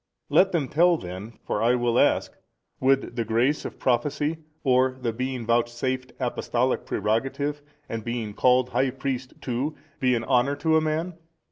Let them tell then, for I will ask: Would the grace of Prophecy or the being vouchsafed apostolic prerogative, and being called High Priest too, be an honour to a man?